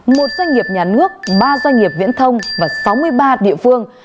một doanh nghiệp nhà nước ba doanh nghiệp viễn thông và sáu mươi ba địa phương